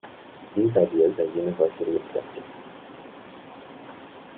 These ideas are universally accepted.